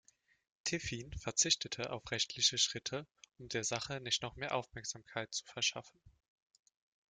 Tiffin verzichtete auf rechtliche Schritte, um der Sache nicht noch mehr Aufmerksamkeit zu verschaffen.